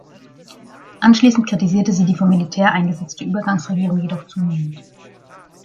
Anschließend kritisierte sie die vom Militär eingesetzte Übergangsregierung jedoch zunehmend.